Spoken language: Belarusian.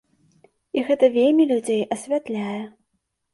І гэта вельмі людзей асвятляе.